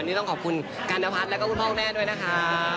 นี่ต้องขอบคุณกัณพัฒน์แล้วก็คุณพ่อคุณแม่ด้วยนะคะ